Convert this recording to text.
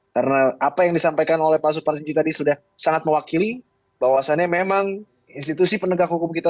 karena apa yang disampaikan oleh pak suparnasi tadi sudah sangat mewakili bahwasannya memang institusi penegak hukum kita